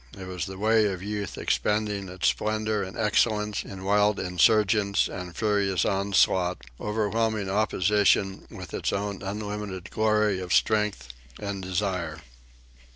It was the way of Youth, expending its splendour and excellence in wild insurgence and furious onslaught, overwhelming opposition with its own unlimited glory of strength and desire.